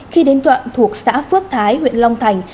khi đến đoạn thuộc xã phước thái huyện long thành